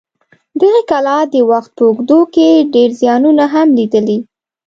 دغې کلا د وخت په اوږدو کې ډېر زیانونه هم لیدلي.